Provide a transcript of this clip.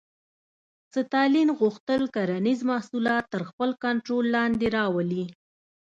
ستالین غوښتل کرنیز محصولات تر خپل کنټرول لاندې راولي.